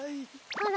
あら？